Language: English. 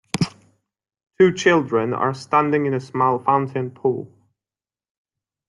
Two children are standing in a small fountain pool.